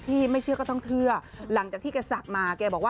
ที่ไม่เชื่อก็ต้องเทื่อหลังจากที่แกศักดิ์มา